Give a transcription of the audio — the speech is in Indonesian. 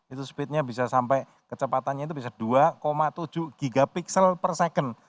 itu speednya bisa sampai kecepatannya itu bisa dua tujuh gigapiksel per second